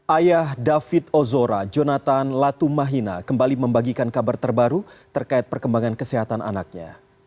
ayah david ozora jonathan latumahina kembali membagikan kabar terbaru terkait perkembangan kesehatan anaknya